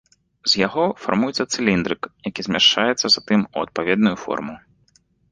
З яго фармуецца цыліндрык, які змяшчаецца затым у адпаведную форму.